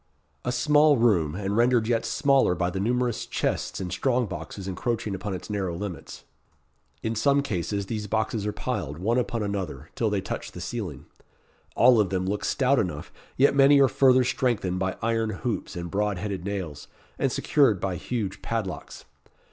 A small room, and rendered yet smaller by the numerous chests and strong boxes encroaching upon its narrow limits. In some cases these boxes are piled, one upon another, till they touch the ceiling. All of them look stout enough, yet many are further strengthened by iron hoops and broad headed nails, and secured by huge padlocks.